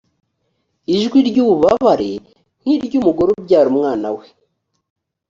ijwi ry ububabare nk iry umugore ubyara umwana we